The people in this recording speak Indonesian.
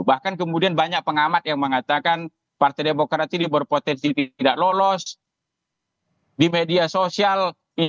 bahkan kemudian banyak pengamat yang mengatakan partai demokrat ini berpotensi tidak lolos di media sosial